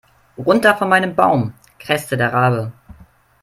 "Runter von meinem Baum", krächzte der Rabe.